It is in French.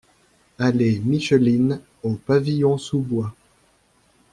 Allée Micheline aux Pavillons-sous-Bois